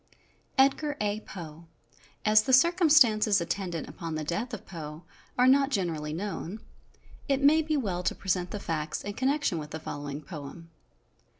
"EDGAR A. POE. As the circumstances attendant upon the death of Poe are not generally known, it may be well to present the facts in connection with the following poem.